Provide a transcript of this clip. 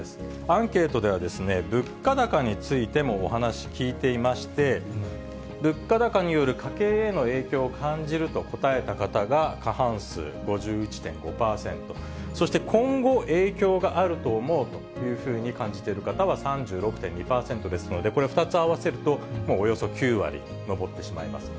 アンケートでは、物価高についてもお話聞いていまして、物価高による家計への影響を感じると答えた方が過半数、５１．５％、そして今後、影響があると思うというふうに感じている方は３６．２％ですので、これは２つ合わせると、もうおよそ９割に上ってしまいます。